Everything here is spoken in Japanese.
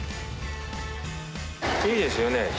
いいですよね。